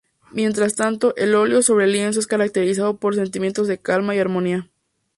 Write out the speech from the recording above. Mientras tanto, el óleo sobre lienzo es caracterizado por sentimientos de calma y armonía.